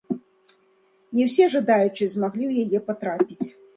Не ўсе жадаючыя змаглі ў яе патрапіць.